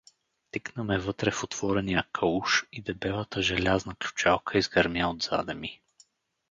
Тикна ме вътре в отворения кауш и дебелата желязна ключалка изгърмя отзаде ми.